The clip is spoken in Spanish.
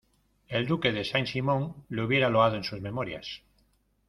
el Duque de Saint Simón le hubiera loado en sus Memorias